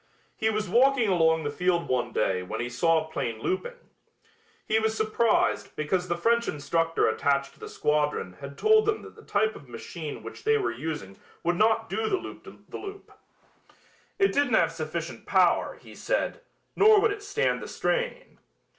He was walking along the field one day when he saw a plane looping. He was surprised because the French instructor attached to the squadron had told them that the type of machine which they were using would not do the loop the loop. It didn't have sufficient power, he said, nor would it stand the strain.